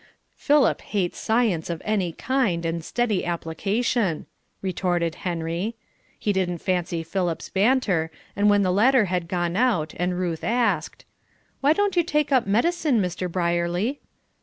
"Philip hates science of any kind, and steady application," retorted Harry. He didn't fancy Philip's banter, and when the latter had gone out, and Ruth asked, "Why don't you take up medicine, Mr. Brierly?"